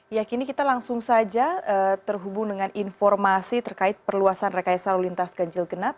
ya kini kita langsung saja terhubung dengan informasi terkait perluasan rekayasa lalu lintas ganjil genap